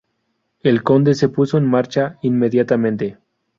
El conde se puso en marcha inmediatamente.